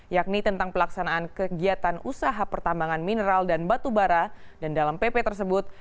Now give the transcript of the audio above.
yakni tentang pelaksanaan kegiatan usaha pertambangan mineral dan batu batu